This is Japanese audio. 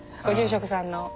ご住職さんの。